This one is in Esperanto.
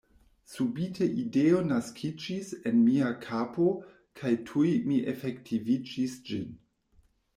Subite ideo naskiĝis en mia kapo kaj tuj mi efektivigis ĝin.